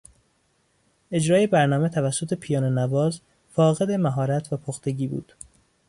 اجرای برنامه توسط پیانو نواز فاقد مهارت و پختگی بود.